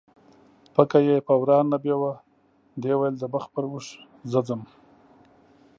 پکه یې په وراه نه بیوه، دې ویل د مخ پر اوښ زه ځم